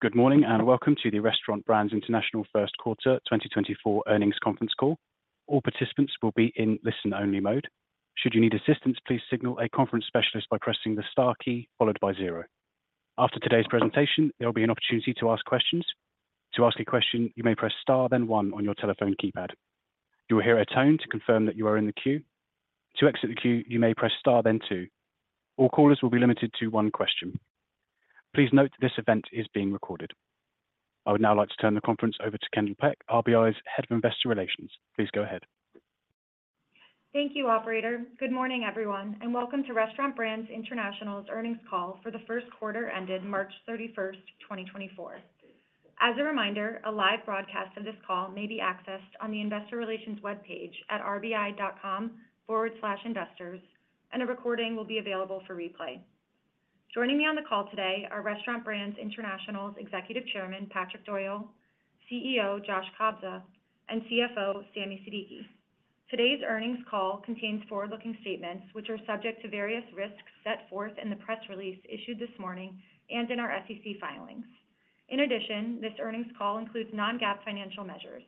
Good morning, and welcome to the Restaurant Brands International First Quarter 2024 Earnings Conference Call. All participants will be in listen-only mode. Should you need assistance, please signal a conference specialist by pressing the star key followed by zero. After today's presentation, there will be an opportunity to ask questions. To ask a question, you may press star, then one on your telephone keypad. You will hear a tone to confirm that you are in the queue. To exit the queue, you may press star, then two. All callers will be limited to one question. Please note, this event is being recorded. I would now like to turn the conference over to Kendall Peck, RBI's Head of Investor Relations. Please go ahead. Thank you, operator. Good morning, everyone, and welcome to Restaurant Brands International's earnings call for the first quarter ended March 31, 2024. As a reminder, a live broadcast of this call may be accessed on the investor relations webpage at rbi.com/investors, and a recording will be available for replay. Joining me on the call today are Restaurant Brands International's Executive Chairman, Patrick Doyle, CEO, Josh Kobza, and CFO, Sami Siddiqui. Today's earnings call contains forward-looking statements, which are subject to various risks set forth in the press release issued this morning and in our SEC filings. In addition, this earnings call includes non-GAAP financial measures.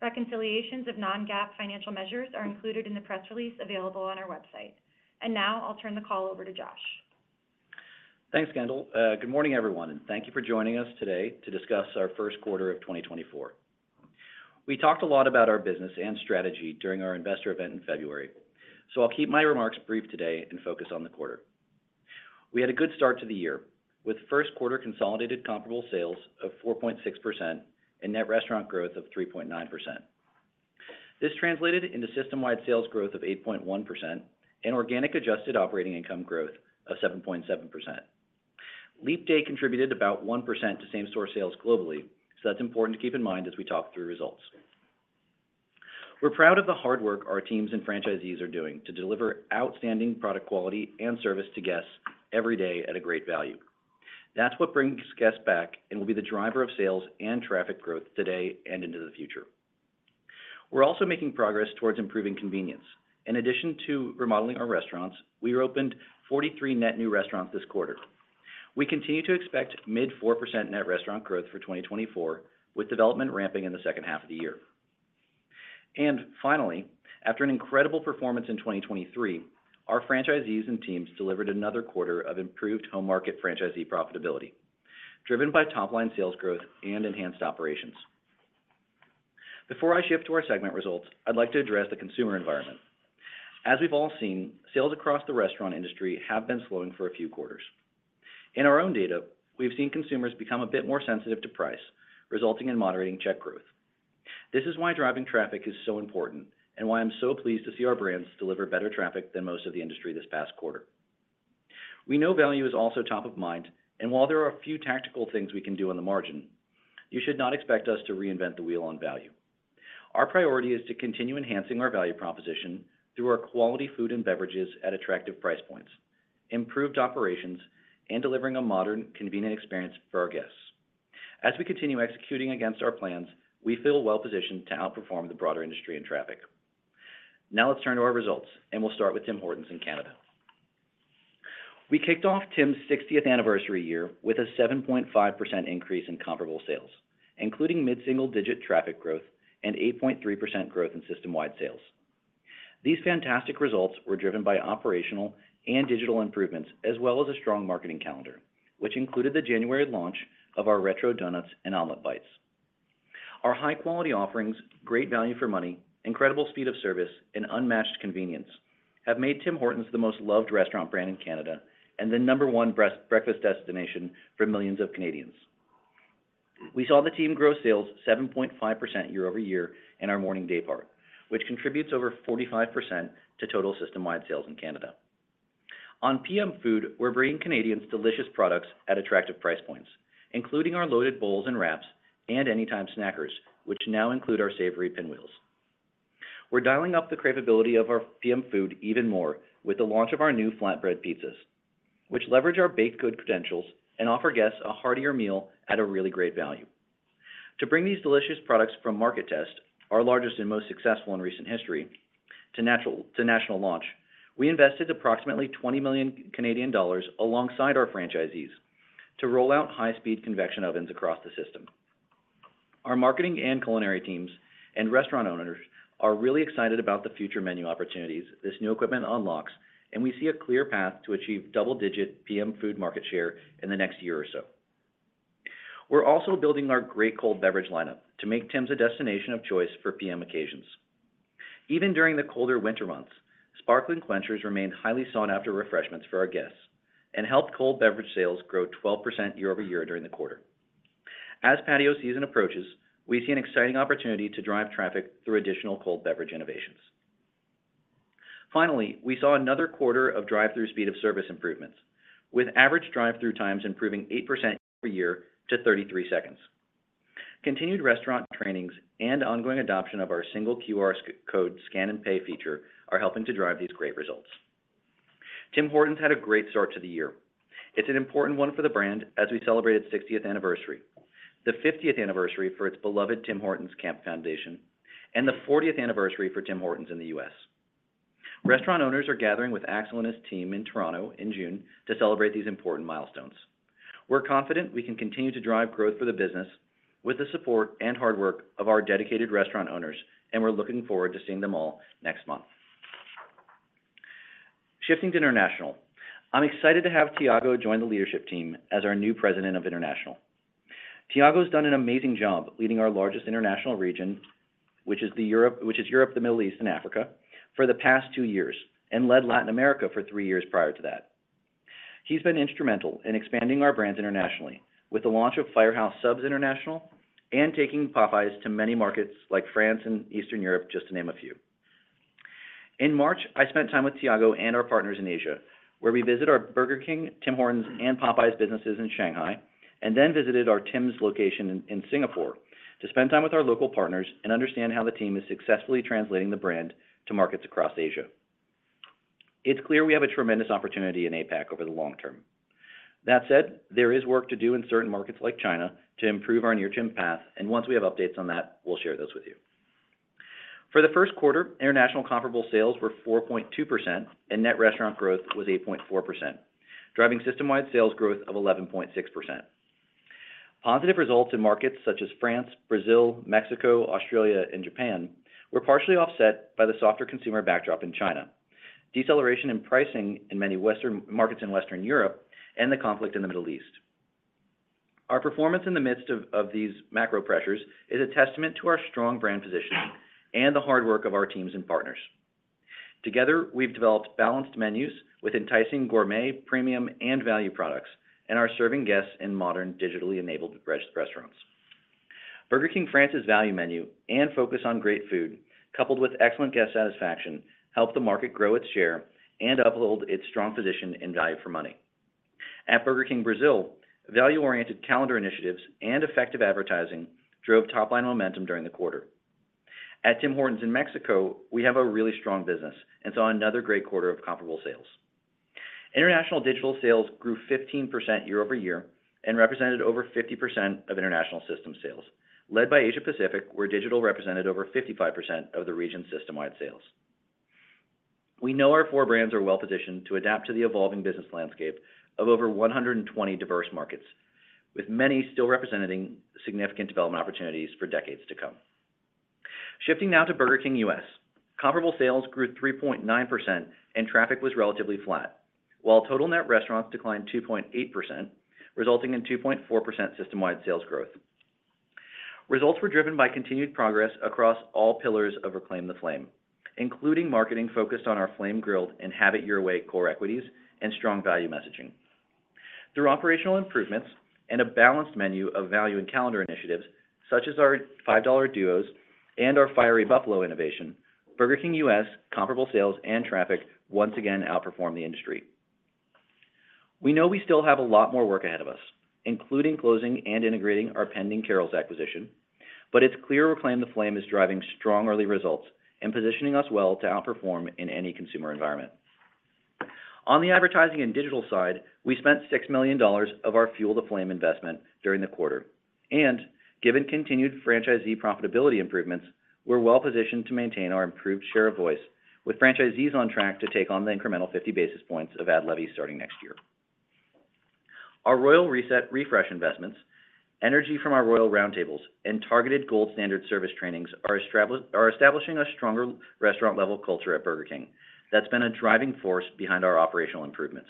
Reconciliations of non-GAAP financial measures are included in the press release available on our website. Now I'll turn the call over to Josh. Thanks, Kendall. Good morning, everyone, and thank you for joining us today to discuss our first quarter of 2024. We talked a lot about our business and strategy during our investor event in February, so I'll keep my remarks brief today and focus on the quarter. We had a good start to the year, with first quarter consolidated comparable sales of 4.6% and net restaurant growth of 3.9%. This translated into system-wide sales growth of 8.1% and organic adjusted operating income growth of 7.7%. Leap day contributed about 1% to same-store sales globally, so that's important to keep in mind as we talk through results. We're proud of the hard work our teams and franchisees are doing to deliver outstanding product quality and service to guests every day at a great value. That's what brings guests back and will be the driver of sales and traffic growth today and into the future. We're also making progress towards improving convenience. In addition to remodeling our restaurants, we reopened 43 net new restaurants this quarter. We continue to expect mid-4% net restaurant growth for 2024, with development ramping in the second half of the year. Finally, after an incredible performance in 2023, our franchisees and teams delivered another quarter of improved home market franchisee profitability, driven by top-line sales growth and enhanced operations. Before I shift to our segment results, I'd like to address the consumer environment. As we've all seen, sales across the restaurant industry have been slowing for a few quarters. In our own data, we've seen consumers become a bit more sensitive to price, resulting in moderating check growth. This is why driving traffic is so important, and why I'm so pleased to see our brands deliver better traffic than most of the industry this past quarter. We know value is also top of mind, and while there are a few tactical things we can do on the margin, you should not expect us to reinvent the wheel on value. Our priority is to continue enhancing our value proposition through our quality food and beverages at attractive price points, improved operations, and delivering a modern, convenient experience for our guests. As we continue executing against our plans, we feel well positioned to outperform the broader industry in traffic. Now let's turn to our results, and we'll start with Tim Hortons in Canada. We kicked off Tim's 60th anniversary year with a 7.5% increase in comparable sales, including mid-single-digit traffic growth and 8.3% growth in system-wide sales. These fantastic results were driven by operational and digital improvements, as well as a strong marketing calendar, which included the January launch of our Retro Donuts and Omelette Bites. Our high-quality offerings, great value for money, incredible speed of service, and unmatched convenience have made Tim Hortons the most loved restaurant brand in Canada and the number one breakfast destination for millions of Canadians. We saw the team grow sales 7.5% year-over-year in our morning daypart, which contributes over 45% to total system-wide sales in Canada. On PM food, we're bringing Canadians delicious products at attractive price points, including our Loaded Bowls and wraps and Anytime Snackers, which now include our Savory Pinwheels. We're dialing up the cravability of our PM food even more with the launch of our Flatbread Pizzas, which leverage our baked good credentials and offer guests a heartier meal at a really great value. To bring these delicious products from market test, our largest and most successful in recent history, to national launch, we invested approximately 20 million Canadian dollars alongside our franchisees to roll out high-speed convection ovens across the system. Our marketing and culinary teams and restaurant owners are really excited about the future menu opportunities this new equipment unlocks, and we see a clear path to achieve double-digit PM food market share in the next year or so. We're also building our great cold beverage lineup to make Tim's a destination of choice for PM occasions. Even during the colder winter months, Sparkling Quenchers remained highly sought after refreshments for our guests and helped cold beverage sales grow 12% year-over-year during the quarter. As patio season approaches, we see an exciting opportunity to drive traffic through additional cold beverage innovations. Finally, we saw another quarter of drive-thru speed of service improvements, with average drive-thru times improving 8% per year to 33 seconds. Continued restaurant trainings and ongoing adoption of our single QR code scan and pay feature are helping to drive these great results. Tim Hortons had a great start to the year. It's an important one for the brand as we celebrate its 60th anniversary, the 50th anniversary for its beloved Tim Hortons Camp Foundation, and the 40th anniversary for Tim Hortons in the U.S. Restaurant owners are gathering with Axel and his team in Toronto in June to celebrate these important milestones. We're confident we can continue to drive growth for the business with the support and hard work of our dedicated restaurant owners, and we're looking forward to seeing them all next month. Shifting to international, I'm excited to have Thiago join the leadership team as our new President of International. Thiago has done an amazing job leading our largest international region, which is Europe, the Middle East, and Africa, for the past 2 years, and led Latin America for 3 years prior to that. He's been instrumental in expanding our brands internationally, with the launch of Firehouse Subs International and taking Popeyes to many markets like France and Eastern Europe, just to name a few. In March, I spent time with Thiago Santelmo and our partners in Asia, where we visit our Burger King, Tim Hortons, and Popeyes businesses in Shanghai, and then visited our Tims location in Singapore to spend time with our local partners and understand how the team is successfully translating the brand to markets across Asia. It's clear we have a tremendous opportunity in APAC over the long term. That said, there is work to do in certain markets like China to improve our near-term path, and once we have updates on that, we'll share those with you. For the first quarter, international comparable sales were 4.2%, and net restaurant growth was 8.4%, driving system-wide sales growth of 11.6%. Positive results in markets such as France, Brazil, Mexico, Australia, and Japan were partially offset by the softer consumer backdrop in China, deceleration in pricing in many Western markets in Western Europe and the conflict in the Middle East. Our performance in the midst of these macro pressures is a testament to our strong brand positioning and the hard work of our teams and partners. Together, we've developed balanced menus with enticing gourmet, premium, and value products, and are serving guests in modern, digitally-enabled restaurants. Burger King France's value menu and focus on great food, coupled with excellent guest satisfaction, helped the market grow its share and uphold its strong position in value for money. At Burger King Brazil, value-oriented calendar initiatives and effective advertising drove top-line momentum during the quarter. At Tim Hortons in Mexico, we have a really strong business, and saw another great quarter of comparable sales. International digital sales grew 15% year-over-year and represented over 50% of international system sales, led by Asia Pacific, where digital represented over 55% of the region's system-wide sales. We know our four brands are well-positioned to adapt to the evolving business landscape of over 120 diverse markets, with many still representing significant development opportunities for decades to come. Shifting now to Burger King U.S. Comparable sales grew 3.9% and traffic was relatively flat, while total net restaurants declined 2.8%, resulting in 2.4% system-wide sales growth. Results were driven by continued progress across all pillars of Reclaim the Flame, including marketing focused on our Flame Grilled and Have It Your Way core equities and strong value messaging. Through operational improvements and a balanced menu of value and calendar initiatives, such as our Five Dollar Duos and our Fiery Buffalo innovation, Burger King U.S. comparable sales and traffic once again outperformed the industry. We know we still have a lot more work ahead of us, including closing and integrating our pending Carrols acquisition, but it's clear Reclaim the Flame is driving strong early results and positioning us well to outperform in any consumer environment. On the advertising and digital side, we spent $6 million of our Fuel the Flame investment during the quarter. And given continued franchisee profitability improvements, we're well positioned to maintain our improved share of voice, with franchisees on track to take on the incremental 50 basis points of ad levy starting next year. Our Royal Reset refresh investments, energy from our Royal Roundtables, and targeted gold standard service trainings are establishing a stronger restaurant-level culture at Burger King. That's been a driving force behind our operational improvements.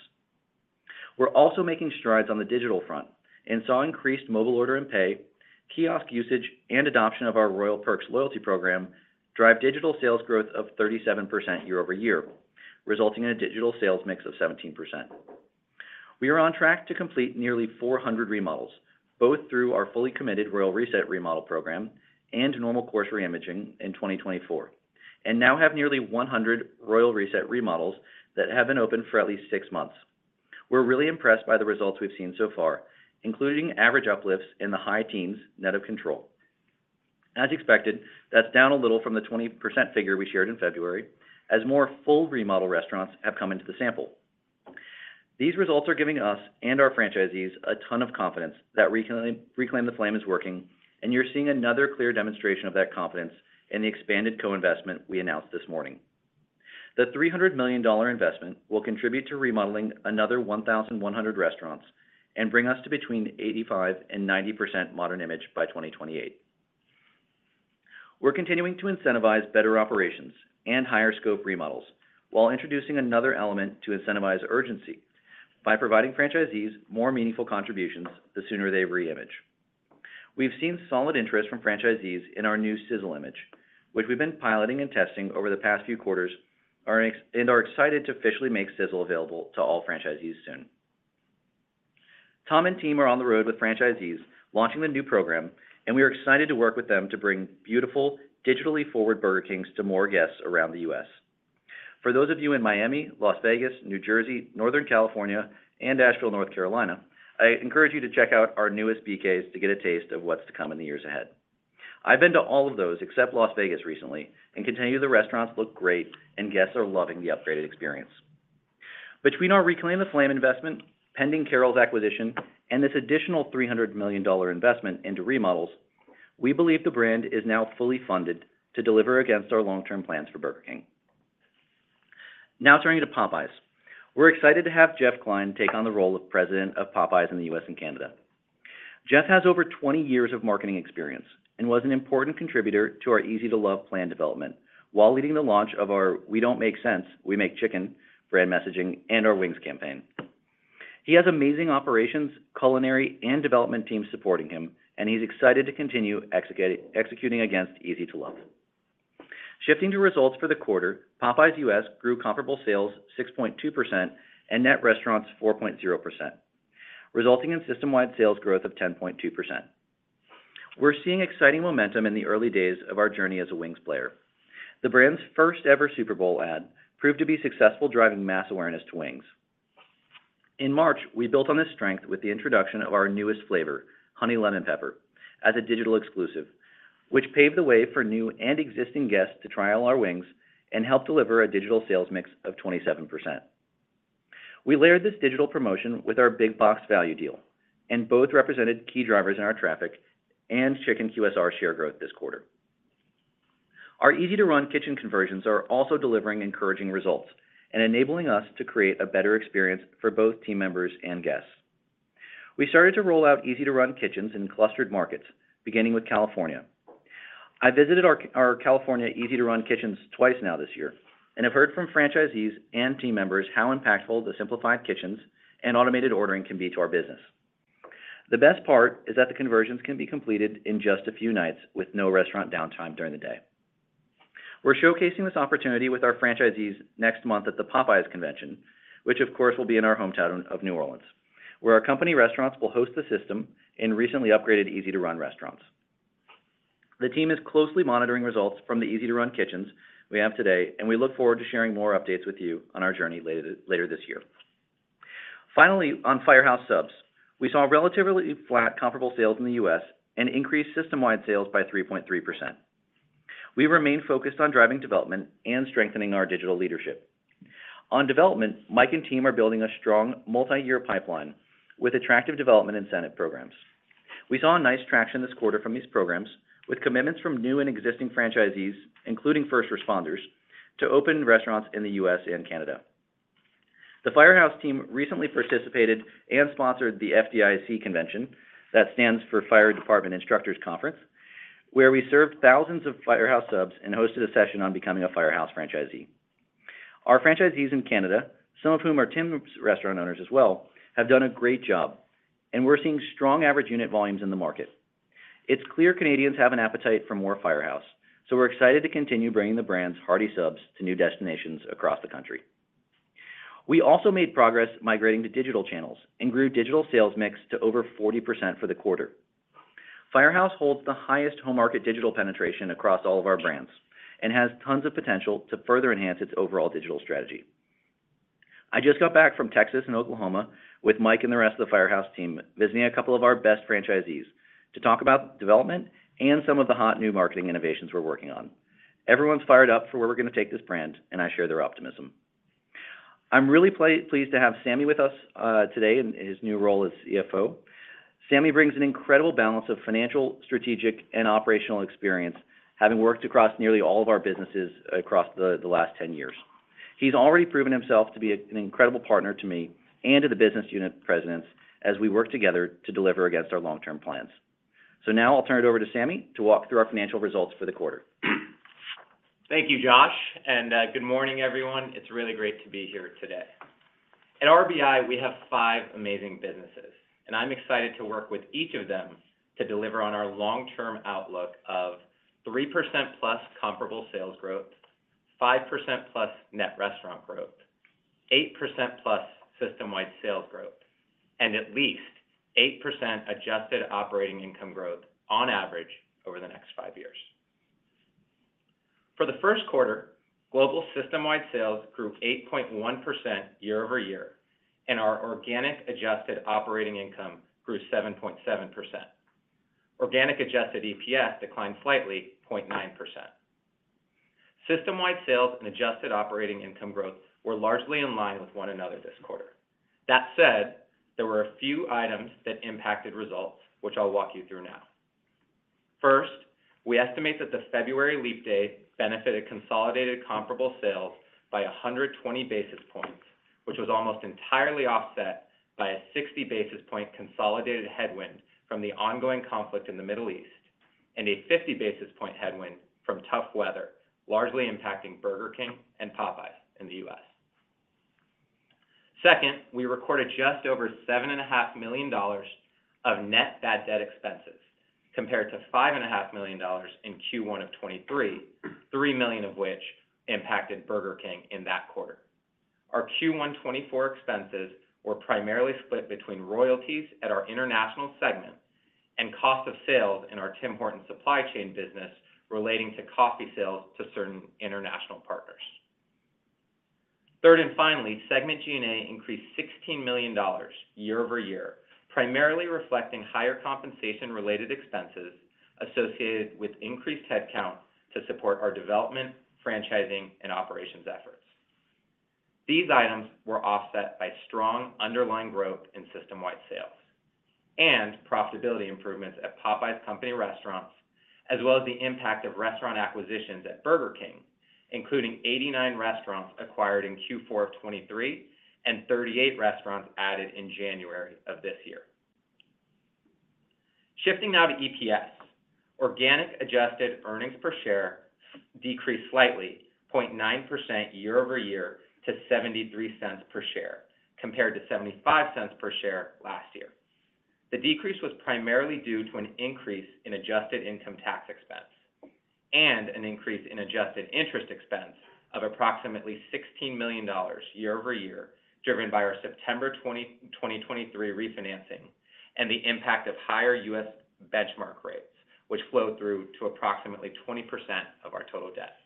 We're also making strides on the digital front and saw increased mobile order and pay, kiosk usage, and adoption of our Royal Perks loyalty program drive digital sales growth of 37% year-over-year, resulting in a digital sales mix of 17%. We are on track to complete nearly 400 remodels, both through our fully committed Royal Reset remodel program and normal course reimaging in 2024, and now have nearly 100 Royal Reset remodels that have been open for at least six months. We're really impressed by the results we've seen so far, including average uplifts in the high teens net of control. As expected, that's down a little from the 20% figure we shared in February, as more full remodel restaurants have come into the sample. These results are giving us and our franchisees a ton of confidence that Reclaim, Reclaim the Flame is working, and you're seeing another clear demonstration of that confidence in the expanded co-investment we announced this morning. The $300 million investment will contribute to remodeling another 1,100 restaurants and bring us to between 85%-90% modern image by 2028. We're continuing to incentivize better operations and higher scope remodels, while introducing another element to incentivize urgency by providing franchisees more meaningful contributions the sooner they reimage. We've seen solid interest from franchisees in our new Sizzle image, which we've been piloting and testing over the past few quarters, and are excited to officially make Sizzle available to all franchisees soon. Tom and team are on the road with franchisees, launching the new program, and we are excited to work with them to bring beautiful, digitally forward Burger Kings to more guests around the U.S. For those of you in Miami, Las Vegas, New Jersey, Northern California, and Asheville, North Carolina, I encourage you to check out our newest BKs to get a taste of what's to come in the years ahead. I've been to all of those, except Las Vegas recently, and can tell you the restaurants look great and guests are loving the upgraded experience. Between our Reclaim the Flame investment, pending Carrols acquisition, and this additional $300 million investment into remodels, we believe the brand is now fully funded to deliver against our long-term plans for Burger King. Now turning to Popeyes. We're excited to have Jeff Klein take on the role of President of Popeyes in the U.S. and Canada. Jeff has over 20 years of marketing experience, and was an important contributor to our Easy to Love plan development, while leading the launch of our "We Don't Make Sense, We Make Chicken" brand messaging and our wings campaign. He has amazing operations, culinary, and development teams supporting him, and he's excited to continue executing against Easy to Love. Shifting to results for the quarter, Popeyes U.S. grew comparable sales 6.2% and net restaurants 4.0%, resulting in system-wide sales growth of 10.2%. We're seeing exciting momentum in the early days of our journey as a wings player. The brand's first-ever Super Bowl ad proved to be successful, driving mass awareness to wings. In March, we built on this strength with the introduction of our newest flavor, Honey Lemon Pepper, as a digital exclusive, which paved the way for new and existing guests to try all our wings and help deliver a digital sales mix of 27%. We layered this digital promotion with our Big Box value deal, and both represented key drivers in our traffic and chicken QSR share growth this quarter. Our Easy to Run kitchen conversions are also delivering encouraging results and enabling us to create a better experience for both team members and guests. We started to roll out Easy to Run kitchens in clustered markets, beginning with California. I visited our California Easy to Run kitchens twice now this year, and I've heard from franchisees and team members how impactful the simplified kitchens and automated ordering can be to our business. The best part is that the conversions can be completed in just a few nights with no restaurant downtime during the day. We're showcasing this opportunity with our franchisees next month at the Popeyes convention, which of course, will be in our hometown of New Orleans, where our company restaurants will host the system in recently upgraded Easy to Run restaurants. The team is closely monitoring results from the Easy to Run kitchens we have today, and we look forward to sharing more updates with you on our journey later, later this year. Finally, on Firehouse Subs, we saw relatively flat comparable sales in the U.S. and increased system-wide sales by 3.3%. We remain focused on driving development and strengthening our digital leadership. On development, Mike and team are building a strong multi-year pipeline with attractive development incentive programs. We saw a nice traction this quarter from these programs, with commitments from new and existing franchisees, including first responders, to open restaurants in the U.S. and Canada. The Firehouse team recently participated and sponsored the FDIC convention, that stands for Fire Department Instructors Conference, where we served thousands of Firehouse Subs and hosted a session on becoming a Firehouse franchisee. Our franchisees in Canada, some of whom are Tim Hortons restaurant owners as well, have done a great job, and we're seeing strong average unit volumes in the market. It's clear Canadians have an appetite for more Firehouse, so we're excited to continue bringing the brand's hearty subs to new destinations across the country. We also made progress migrating to digital channels and grew digital sales mix to over 40% for the quarter. Firehouse holds the highest home market digital penetration across all of our brands and has tons of potential to further enhance its overall digital strategy. I just got back from Texas and Oklahoma with Mike and the rest of the Firehouse team, visiting a couple of our best franchisees to talk about development and some of the hot new marketing innovations we're working on. Everyone's fired up for where we're gonna take this brand, and I share their optimism. I'm really pleased to have Sami with us today in his new role as CFO. Sami brings an incredible balance of financial, strategic, and operational experience, having worked across nearly all of our businesses across the last 10 years. He's already proven himself to be an incredible partner to me and to the business unit presidents as we work together to deliver against our long-term plans. Now I'll turn it over to Sami to walk through our financial results for the quarter. Thank you, Josh, and good morning, everyone. It's really great to be here today. At RBI, we have five amazing businesses, and I'm excited to work with each of them to deliver on our long-term outlook of 3%+ comparable sales growth, 5%+ net restaurant growth, 8%+ system-wide sales growth, and at least 8% adjusted operating income growth on average over the next 5 years. For the first quarter, global system-wide sales grew 8.1% year-over-year, and our organic adjusted operating income grew 7.7%. Organic Adjusted EPS declined slightly, 0.9%. System-wide sales and adjusted operating income growth were largely in line with one another this quarter. That said, there were a few items that impacted results, which I'll walk you through now. First, we estimate that the February leap day benefited consolidated comparable sales by 120 basis points, which was almost entirely offset by a 60 basis point consolidated headwind from the ongoing conflict in the Middle East, and a 50 basis point headwind from tough weather, largely impacting Burger King and Popeyes in the US. Second, we recorded just over $7.5 million of net bad debt expenses, compared to $5.5 million in Q1 of 2023, $3 million of which impacted Burger King in that quarter. Our Q1 2024 expenses were primarily split between royalties at our international segment and cost of sales in our Tim Hortons supply chain business relating to coffee sales to certain international partners. Third and finally, segment G&A increased $16 million year-over-year.... primarily reflecting higher compensation related expenses associated with increased headcount to support our development, franchising, and operations efforts. These items were offset by strong underlying growth in system-wide sales and profitability improvements at Popeyes company restaurants, as well as the impact of restaurant acquisitions at Burger King, including 89 restaurants acquired in Q4 of 2023, and 38 restaurants added in January of this year. Shifting now to EPS. Organic adjusted earnings per share decreased slightly, 0.9% year-over-year, to $0.73 per share, compared to $0.75 per share last year. The decrease was primarily due to an increase in adjusted income tax expense and an increase in adjusted interest expense of approximately $16 million year-over-year, driven by our September 20, 2023 refinancing and the impact of higher U.S. benchmark rates, which flowed through to approximately 20% of our total debt.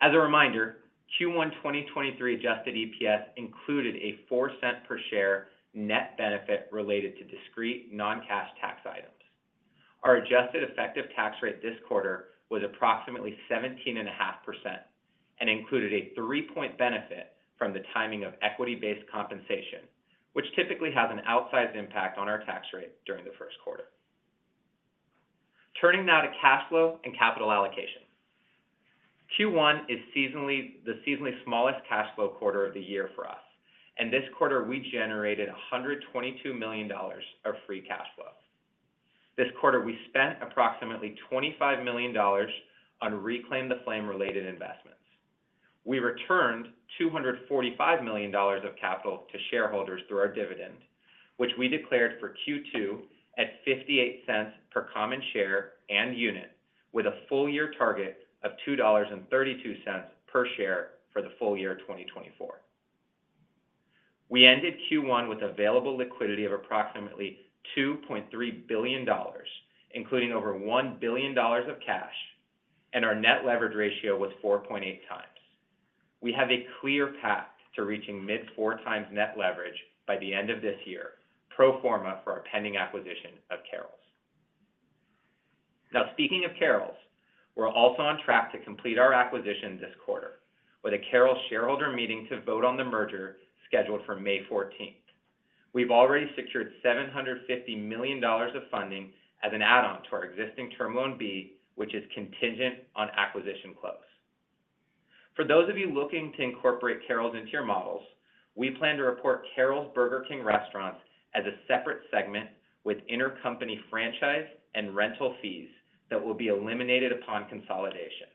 As a reminder, Q1 2023 Adjusted EPS included a $0.04 per share net benefit related to discrete non-cash tax items. Our adjusted effective tax rate this quarter was approximately 17.5%, and included a 3-point benefit from the timing of equity-based compensation, which typically has an outsized impact on our tax rate during the first quarter. Turning now to cash flow and capital allocation. Q1 is the seasonally smallest cash flow quarter of the year for us, and this quarter we generated $122 million of free cash flow. This quarter, we spent approximately $25 million on Reclaim the Flame related investments. We returned $245 million of capital to shareholders through our dividend, which we declared for Q2 at $0.58 per common share and unit, with a full year target of $2.32 per share for the full year 2024. We ended Q1 with available liquidity of approximately $2.3 billion, including over $1 billion of cash, and our net leverage ratio was 4.8 times. We have a clear path to reaching mid-4 times net leverage by the end of this year, pro forma for our pending acquisition of Carrols. Now, speaking of Carrols, we're also on track to complete our acquisition this quarter, with a Carrols shareholder meeting to vote on the merger scheduled for May fourteenth. We've already secured $750 million of funding as an add-on to our existing Term Loan B, which is contingent on acquisition close. For those of you looking to incorporate Carrols into your models, we plan to report Carrols Burger King restaurants as a separate segment with intercompany franchise and rental fees that will be eliminated upon consolidation.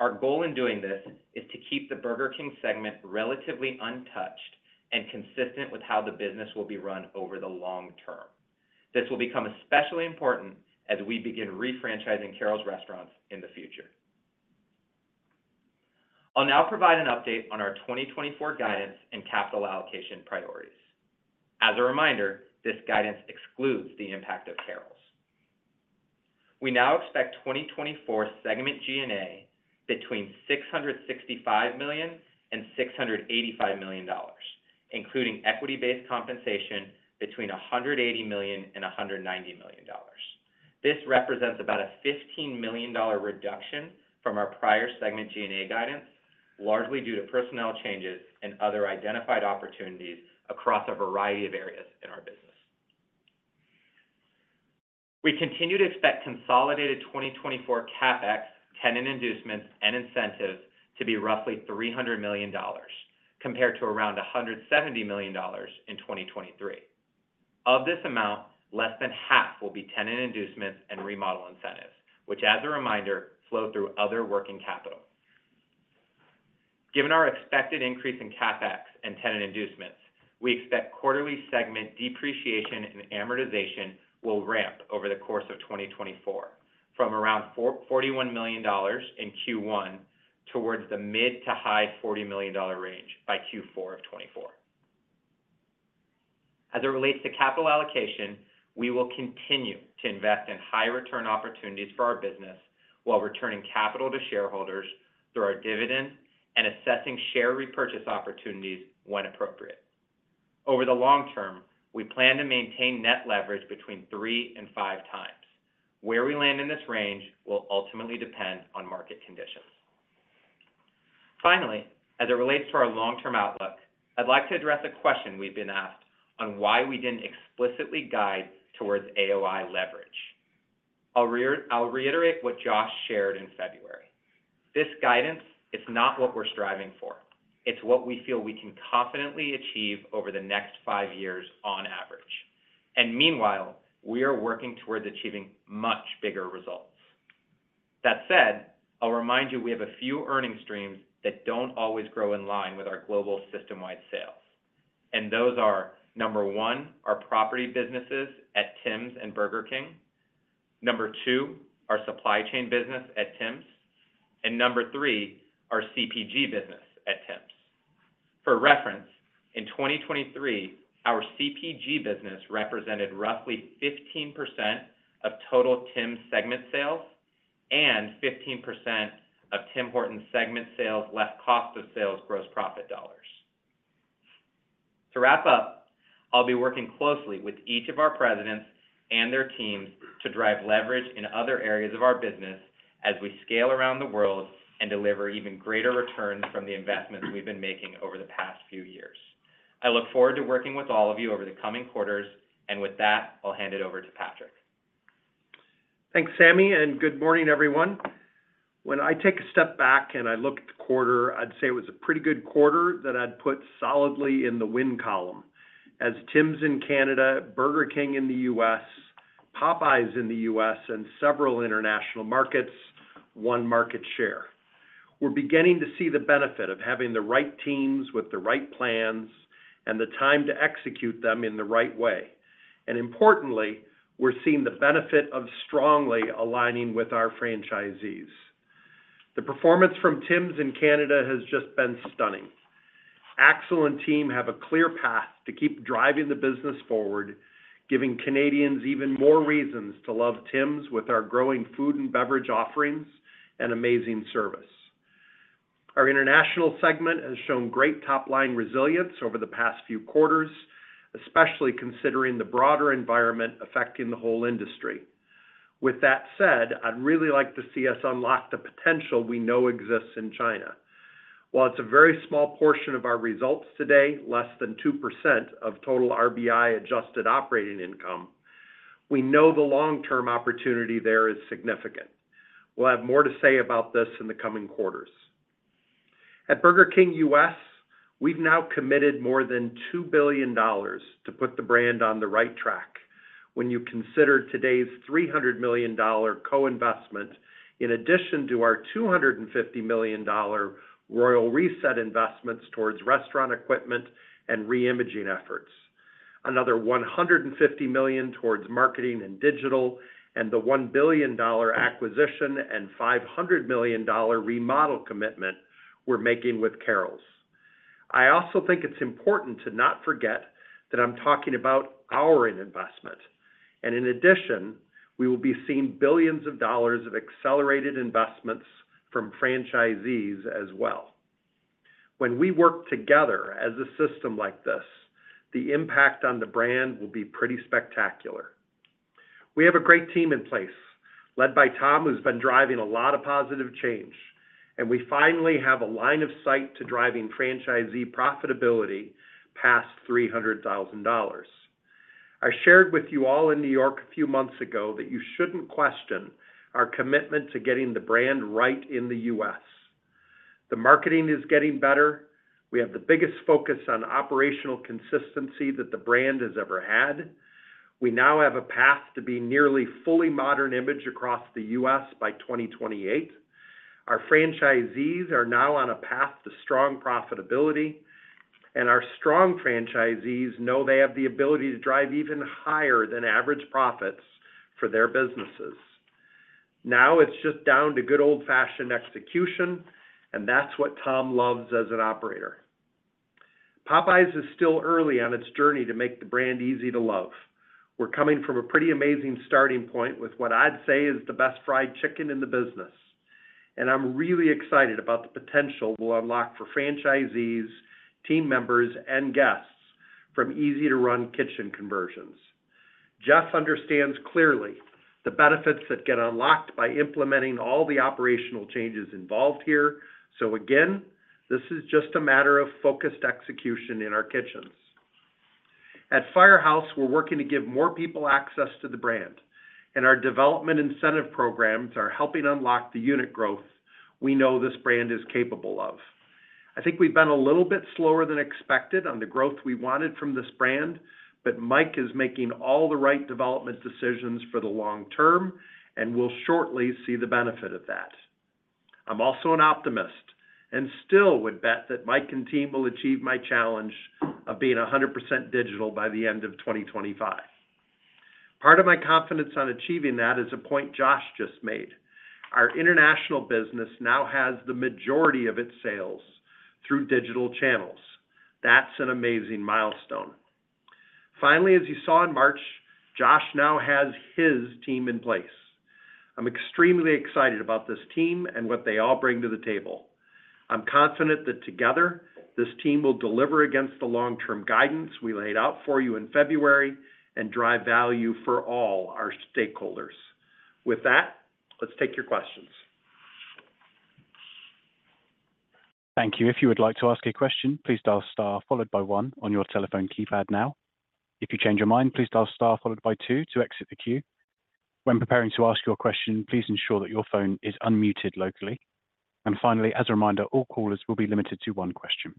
Our goal in doing this is to keep the Burger King segment relatively untouched and consistent with how the business will be run over the long term. This will become especially important as we begin re-franchising Carrols restaurants in the future. I'll now provide an update on our 2024 guidance and capital allocation priorities. As a reminder, this guidance excludes the impact of Carrols. We now expect 2024 segment G&A between $665 million and $685 million, including equity-based compensation between $180 million and $190 million. This represents about a $15 million reduction from our prior segment G&A guidance, largely due to personnel changes and other identified opportunities across a variety of areas in our business. We continue to expect consolidated 2024 CapEx, tenant inducements, and incentives to be roughly $300 million, compared to around $170 million in 2023. Of this amount, less than half will be tenant inducements and remodel incentives, which, as a reminder, flow through other working capital. Given our expected increase in CapEx and tenant inducements, we expect quarterly segment depreciation and amortization will ramp over the course of 2024, from around $41 million in Q1 towards the mid- to high-$40 million range by Q4 of 2024. As it relates to capital allocation, we will continue to invest in high return opportunities for our business while returning capital to shareholders through our dividend and assessing share repurchase opportunities when appropriate. Over the long term, we plan to maintain net leverage between 3 and 5 times. Where we land in this range will ultimately depend on market conditions. Finally, as it relates to our long-term outlook, I'd like to address a question we've been asked on why we didn't explicitly guide towards AOI leverage. I'll reiterate what Josh shared in February. This guidance is not what we're striving for, it's what we feel we can confidently achieve over the next 5 years on average, and meanwhile, we are working towards achieving much bigger results. That said, I'll remind you, we have a few earnings streams that don't always grow in line with our global system-wide sales. And those are, number 1, our property businesses at Tim's and Burger King. Number 2, our supply chain business at Tim's. And number 3, our CPG business at Tim's. For reference, in 2023, our CPG business represented roughly 15% of total Tim's segment sales and 15% of Tim Hortons segment sales, less cost of sales, gross profit dollars. To wrap up, I'll be working closely with each of our presidents and their teams to drive leverage in other areas of our business as we scale around the world and deliver even greater returns from the investments we've been making over the past few years. I look forward to working with all of you over the coming quarters, and with that, I'll hand it over to Patrick. Thanks, Sami, and good morning, everyone. When I take a step back and I look at the quarter, I'd say it was a pretty good quarter that I'd put solidly in the win column. As Tims in Canada, Burger King in the U.S., Popeyes in the U.S., and several international markets, won market share. We're beginning to see the benefit of having the right teams with the right plans and the time to execute them in the right way. And importantly, we're seeing the benefit of strongly aligning with our franchisees. The performance from Tims in Canada has just been stunning. Axel and team have a clear path to keep driving the business forward, giving Canadians even more reasons to love Tims with our growing food and beverage offerings and amazing service. Our international segment has shown great top-line resilience over the past few quarters, especially considering the broader environment affecting the whole industry. With that said, I'd really like to see us unlock the potential we know exists in China. While it's a very small portion of our results today, less than 2% of total RBI adjusted operating income, we know the long-term opportunity there is significant. We'll have more to say about this in the coming quarters. At Burger King U.S., we've now committed more than $2 billion to put the brand on the right track. When you consider today's $300 million co-investment, in addition to our $250 million Royal Reset investments towards restaurant equipment and reimaging efforts. Another $150 million towards marketing and digital, and the $1 billion acquisition and $500 million remodel commitment we're making with Carrols. I also think it's important to not forget that I'm talking about our investment, and in addition, we will be seeing billions of dollars of accelerated investments from franchisees as well. When we work together as a system like this, the impact on the brand will be pretty spectacular. We have a great team in place, led by Tom, who's been driving a lot of positive change, and we finally have a line of sight to driving franchisee profitability past $300,000. I shared with you all in New York a few months ago that you shouldn't question our commitment to getting the brand right in the US. The marketing is getting better. We have the biggest focus on operational consistency that the brand has ever had. We now have a path to be nearly fully modern image across the U.S. by 2028. Our franchisees are now on a path to strong profitability, and our strong franchisees know they have the ability to drive even higher than average profits for their businesses. Now it's just down to good old-fashioned execution, and that's what Tom loves as an operator. Popeyes is still early on its journey to make the brand easy to love. We're coming from a pretty amazing starting point with what I'd say is the best fried chicken in the business, and I'm really excited about the potential we'll unlock for franchisees, team members, and guests from Easy to Run kitchen conversions. Jeff understands clearly the benefits that get unlocked by implementing all the operational changes involved here. So again, this is just a matter of focused execution in our kitchens. At Firehouse, we're working to give more people access to the brand, and our development incentive programs are helping unlock the unit growth we know this brand is capable of. I think we've been a little bit slower than expected on the growth we wanted from this brand, but Mike is making all the right development decisions for the long term, and we'll shortly see the benefit of that. I'm also an optimist and still would bet that Mike and team will achieve my challenge of being 100% digital by the end of 2025. Part of my confidence on achieving that is a point Josh just made. Our international business now has the majority of its sales through digital channels. That's an amazing milestone. Finally, as you saw in March, Josh now has his team in place. I'm extremely excited about this team and what they all bring to the table. I'm confident that together, this team will deliver against the long-term guidance we laid out for you in February and drive value for all our stakeholders. With that, let's take your questions. Thank you. If you would like to ask a question, please dial star followed by one on your telephone keypad now. If you change your mind, please dial star followed by two to exit the queue. When preparing to ask your question, please ensure that your phone is unmuted locally. And finally, as a reminder, all callers will be limited to one question.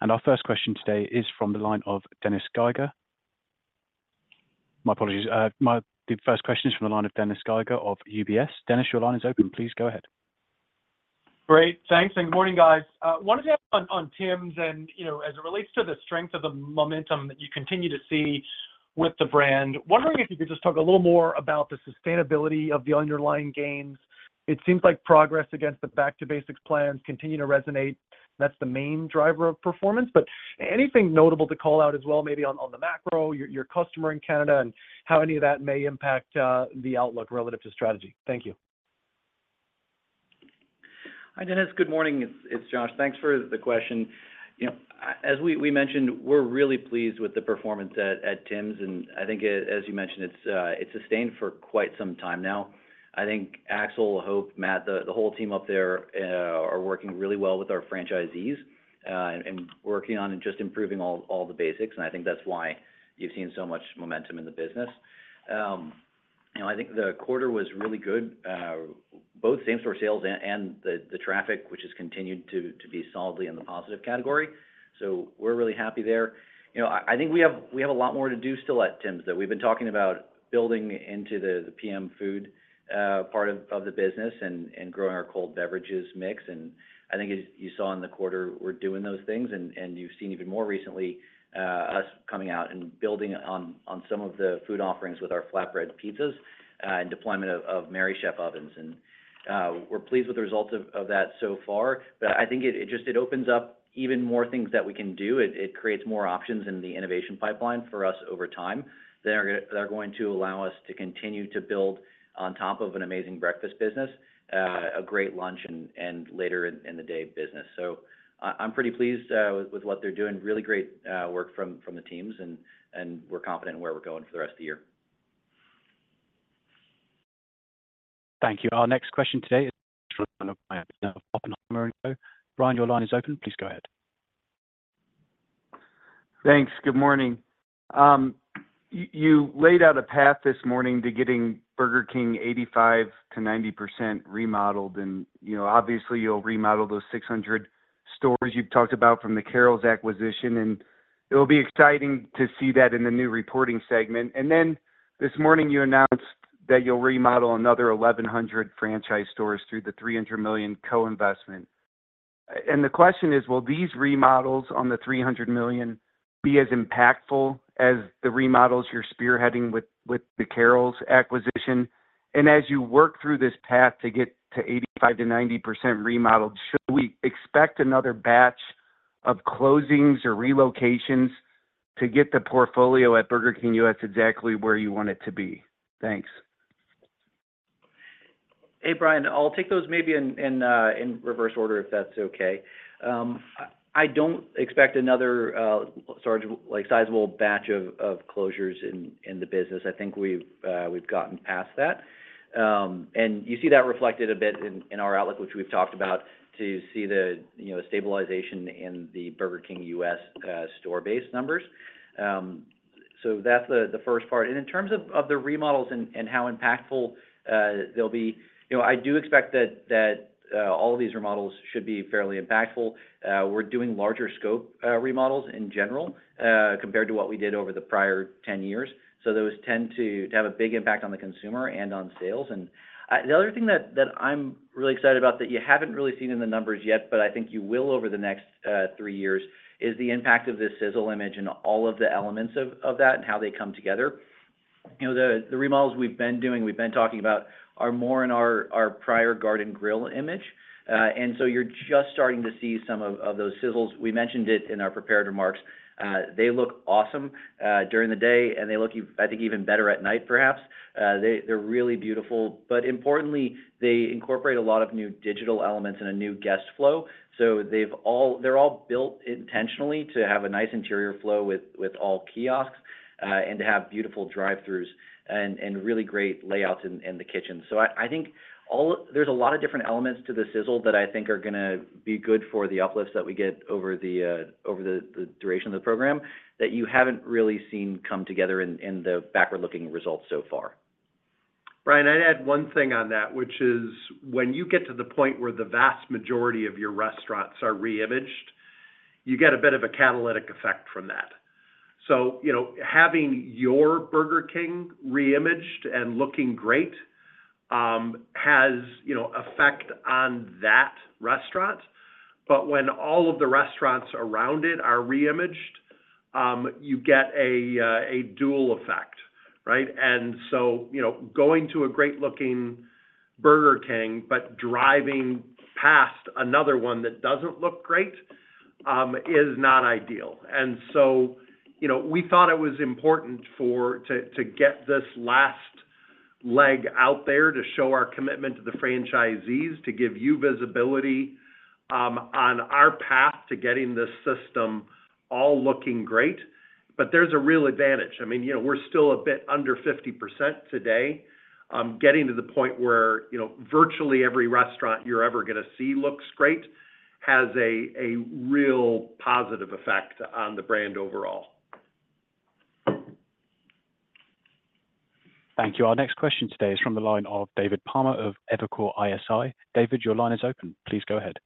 And our first question today is from the line of Dennis Geiger. My apologies, the first question is from the line of Dennis Geiger of UBS. Dennis, your line is open. Please go ahead. Great. Thanks, and good morning, guys. Wanted to on Tims and, you know, as it relates to the strength of the momentum that you continue to see with the brand, wondering if you could just talk a little more about the sustainability of the underlying gains. It seems like progress against the Back to Basics plans continue to resonate. That's the main driver of performance. But anything notable to call out as well, maybe on the macro, your customer in Canada, and how any of that may impact the outlook relative to strategy? Thank you. Hi, Dennis. Good morning, it's Josh. Thanks for the question. You know, as we mentioned, we're really pleased with the performance at Tim's, and I think as you mentioned, it's sustained for quite some time now. I think Axel, Hope, Matt, the whole team up there, are working really well with our franchisees, and working on and just improving all the basics, and I think that's why you've seen so much momentum in the business. You know, I think the quarter was really good, both same-store sales and the traffic, which has continued to be solidly in the positive category. So we're really happy there. You know, I think we have—we have a lot more to do still at Tim's, that we've been talking about building into the PM food part of the business and growing our cold beverages mix. And I think as you saw in the quarter, we're doing those things, and you've seen even more recently us coming out and building on some of the food offerings with Flatbread Pizzas and deployment of Merrychef ovens. And we're pleased with the results of that so far, but I think it just opens up even more things that we can do. It creates more options in the innovation pipeline for us over time, that are going to allow us to continue to build on top of an amazing breakfast business, a great lunch and later in the day business. So, I'm pretty pleased with what they're doing. Really great work from the teams, and we're confident in where we're going for the rest of the year. Thank you. Our next question today is Brian, your line is open. Please go ahead. Thanks. Good morning. You laid out a path this morning to getting Burger King 85%-90% remodeled, and, you know, obviously, you'll remodel those 600 stores you've talked about from the Carrols acquisition, and it'll be exciting to see that in the new reporting segment. And then, this morning, you announced that you'll remodel another 1,100 franchise stores through the $300 million co-investment. And the question is, will these remodels on the $300 million be as impactful as the remodels you're spearheading with the Carrols acquisition? And as you work through this path to get to 85%-90% remodeled, should we expect another batch of closings or relocations to get the portfolio at Burger King U.S. exactly where you want it to be? Thanks. Hey, Brian, I'll take those maybe in reverse order, if that's okay. I don't expect another like, sizable batch of closures in the business. I think we've gotten past that. And you see that reflected a bit in our outlook, which we've talked about, to see the, you know, stabilization in the Burger King U.S. store base numbers. So that's the first part. And in terms of the remodels and how impactful they'll be, you know, I do expect that all of these remodels should be fairly impactful. We're doing larger scope remodels in general compared to what we did over the prior 10 years. So those tend to have a big impact on the consumer and on sales. And, the other thing that, that I'm really excited about that you haven't really seen in the numbers yet, but I think you will over the next, three years, is the impact of this Sizzle image and all of the elements of, that and how they come together. You know, the, the remodels we've been doing, we've been talking about are more in our, our prior Garden Grill image. And so you're just starting to see some of, those Sizzles. We mentioned it in our prepared remarks. They look awesome, during the day, and they look even, I think, even better at night, perhaps. They're really beautiful. But importantly, they incorporate a lot of new digital elements and a new guest flow. So they've all—they're all built intentionally to have a nice interior flow with all kiosks, and to have beautiful drive-throughs and really great layouts in the kitchen. So I think all of—there's a lot of different elements to the Sizzle that I think are gonna be good for the uplifts that we get over the duration of the program, that you haven't really seen come together in the backward-looking results so far. Brian, I'd add one thing on that, which is when you get to the point where the vast majority of your restaurants are re-imaged, you get a bit of a catalytic effect from that. So, you know, having your Burger King re-imaged and looking great has, you know, effect on that restaurant. But when all of the restaurants around it are re-imaged, you get a dual effect, right? And so, you know, going to a great-looking Burger King, but driving past another one that doesn't look great is not ideal. And so, you know, we thought it was important to get this last leg out there to show our commitment to the franchisees, to give you visibility on our path to getting this system all looking great. But there's a real advantage. I mean, you know, we're still a bit under 50% today. Getting to the point where, you know, virtually every restaurant you're ever gonna see looks great, has a real positive effect on the brand overall. Thank you. Our next question today is from the line of David Palmer of Evercore ISI. David, your line is open. Please go ahead.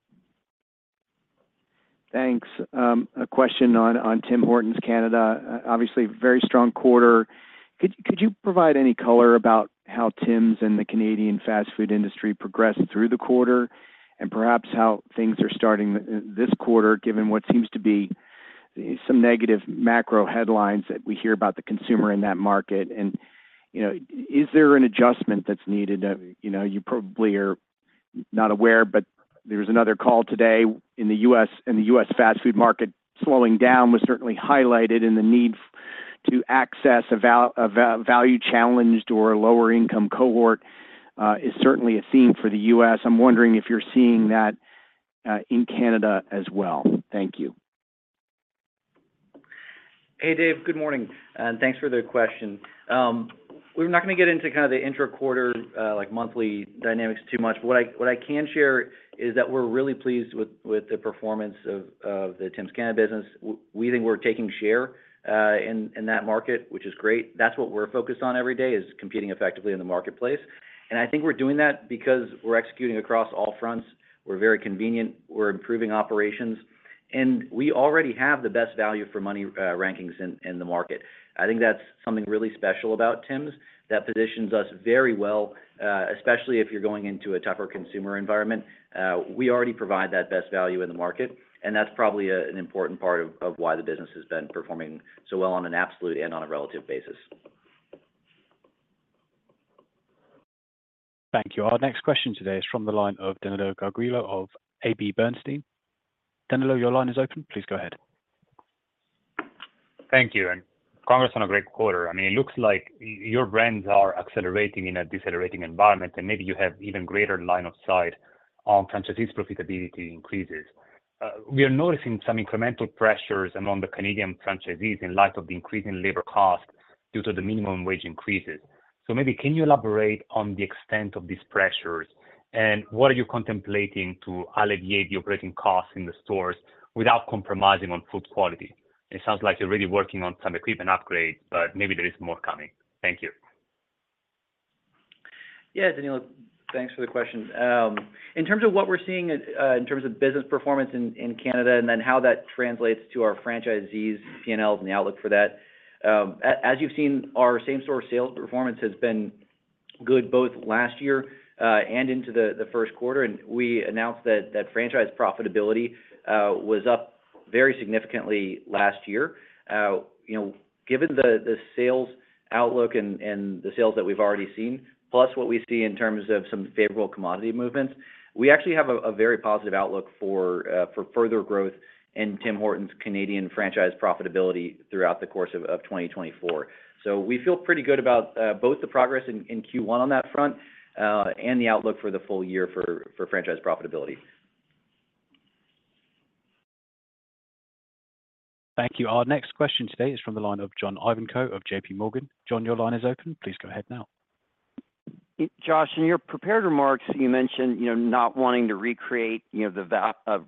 Thanks. A question on Tim Hortons, Canada. Obviously, a very strong quarter. Could you provide any color about how Tim's and the Canadian fast food industry progressed through the quarter? And perhaps how things are starting this quarter, given what seems to be some negative macro headlines that we hear about the consumer in that market. And, you know, is there an adjustment that's needed? You know, you probably are not aware, but there was another call today in the U.S., and the U.S. fast food market slowing down was certainly highlighted, and the need to access a value-challenged or lower income cohort is certainly a theme for the U.S. I'm wondering if you're seeing that in Canada as well. Thank you. Hey, Dave. Good morning, and thanks for the question. We're not gonna get into kind of the intra-quarter, like, monthly dynamics too much, but what I, what I can share is that we're really pleased with, with the performance of, of the Tims Canada business. We think we're taking share, in, in that market, which is great. That's what we're focused on every day, is competing effectively in the marketplace. And I think we're doing that because we're executing across all fronts. We're very convenient, we're improving operations, and we already have the best value for money, rankings in, in the market. I think that's something really special about Tims that positions us very well, especially if you're going into a tougher consumer environment. We already provide that best value in the market, and that's probably an important part of why the business has been performing so well on an absolute and on a relative basis. Thank you. Our next question today is from the line of Danilo Gargiulo of AB Bernstein. Danilo, your line is open. Please go ahead. Thank you, and congrats on a great quarter. I mean, it looks like your brands are accelerating in a decelerating environment, and maybe you have even greater line of sight on franchisees' profitability increases. We are noticing some incremental pressures among the Canadian franchisees in light of the increasing labor costs due to the minimum wage increases. So maybe can you elaborate on the extent of these pressures, and what are you contemplating to alleviate the operating costs in the stores without compromising on food quality? It sounds like you're already working on some equipment upgrades, but maybe there is more coming. Thank you. Yeah, Danilo, thanks for the question. In terms of what we're seeing in terms of business performance in, in Canada, and then how that translates to our franchisees' PNLs and the outlook for that, as you've seen, our same store sales performance has been good, both last year and into the first quarter, and we announced that franchise profitability was up very significantly last year. You know, given the sales outlook and the sales that we've already seen, plus what we see in terms of some favorable commodity movements, we actually have a very positive outlook for further growth in Tim Hortons Canadian franchise profitability throughout the course of 2024. So we feel pretty good about both the progress in Q1 on that front, and the outlook for the full year for franchise profitability. Thank you. Our next question today is from the line of John Ivanko of JP Morgan. John, your line is open. Please go ahead now. Josh, in your prepared remarks, you mentioned, you know, not wanting to recreate the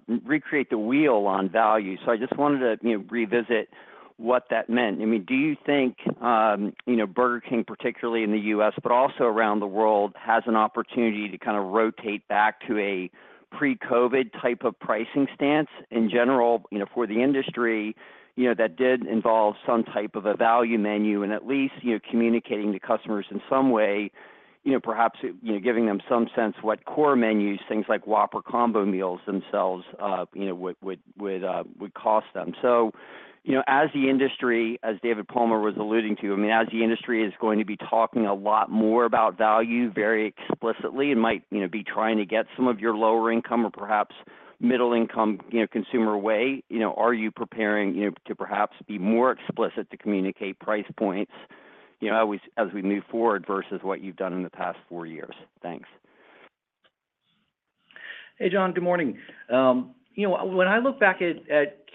wheel on value. So I just wanted to, you know, revisit what that meant. I mean, do you think, you know, Burger King, particularly in the U.S., but also around the world, has an opportunity to kind of rotate back to a pre-COVID type of pricing stance? In general, you know, for the industry, you know, that did involve some type of a value menu and at least, you know, communicating to customers in some way, you know, perhaps, you know, giving them some sense what core menus, things like Whopper Combo Meals themselves, you know, would cost them. So, you know, as the industry, as David Palmer was alluding to, I mean, as the industry is going to be talking a lot more about value very explicitly and might, you know, be trying to get some of your lower income or perhaps middle income, you know, consumer way, you know, are you preparing, you know, to perhaps be more explicit to communicate price points, you know, as we, as we move forward versus what you've done in the past four years? Thanks. Hey, John. Good morning. You know, when I look back at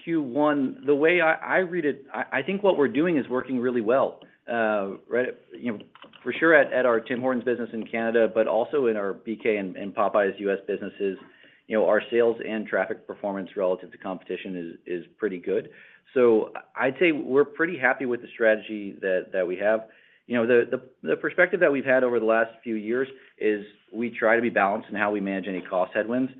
Q1, the way I read it, I think what we're doing is working really well. Right, you know, for sure at our Tim Hortons business in Canada, but also in our BK and Popeyes U.S. businesses, you know, our sales and traffic performance relative to competition is pretty good. So I'd say we're pretty happy with the strategy that we have. You know, the perspective that we've had over the last few years is we try to be balanced in how we manage any cost headwinds.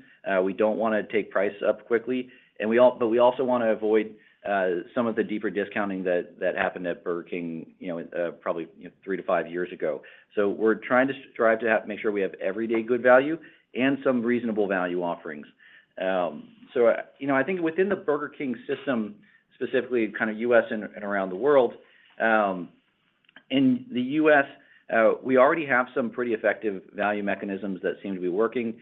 We don't wanna take prices up quickly, but we also wanna avoid some of the deeper discounting that happened at Burger King, you know, probably, you know, 3-5 years ago. So we're trying to strive to make sure we have everyday good value and some reasonable value offerings. So, you know, I think within the Burger King system, specifically kind of U.S. and around the world, in the U.S., we already have some pretty effective value mechanisms that seem to be working.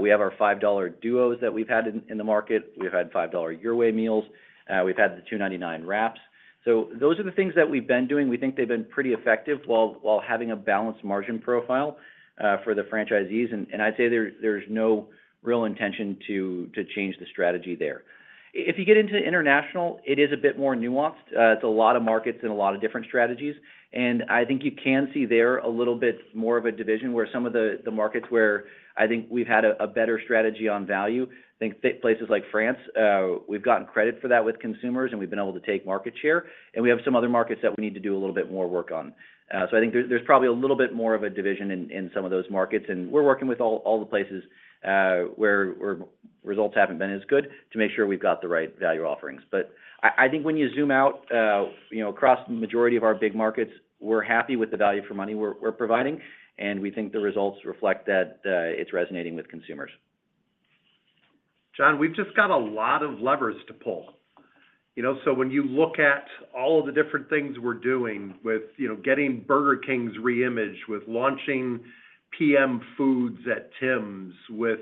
We have our $5 Duos that we've had in the market. We've had $5 Your Way Meals, we've had the $2.99 Wraps. So those are the things that we've been doing. We think they've been pretty effective while having a balanced margin profile for the franchisees, and I'd say there's no real intention to change the strategy there. If you get into the international, it is a bit more nuanced. It's a lot of markets and a lot of different strategies, and I think you can see there a little bit more of a division where some of the markets where I think we've had a better strategy on value. I think places like France, we've gotten credit for that with consumers, and we've been able to take market share, and we have some other markets that we need to do a little bit more work on. So I think there's probably a little bit more of a division in some of those markets, and we're working with all the places where results haven't been as good to make sure we've got the right value offerings. I think when you zoom out, you know, across the majority of our big markets, we're happy with the value for money we're providing, and we think the results reflect that. It's resonating with consumers.... John, we've just got a lot of levers to pull, you know? So when you look at all of the different things we're doing with, you know, getting Burger King's reimage, with launching PM foods at Tims, with